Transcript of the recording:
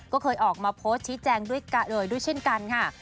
ก็เคยออกมาโพสต์ชี้แจงด้วยเช่นกันค่ะ